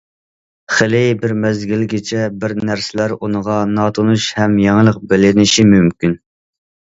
خېلى بىر مەزگىلگىچە بىر نەرسىلەر ئۇنىڭغا ناتونۇش ھەم يېڭىلىق بىلىنىشى مۇمكىن.